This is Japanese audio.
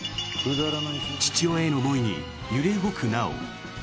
父親への思いに揺れ動く直央。